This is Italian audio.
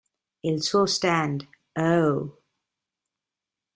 Il suo stand Oh!